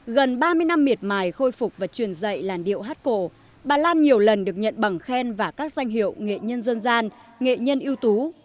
gần ba mươi năm miệt mài khôi phục và truyền dạy làn điệu hát cổ bà lan nhiều lần được nhận bằng khen và các danh hiệu nghệ nhân dân gian nghệ nhân ưu tú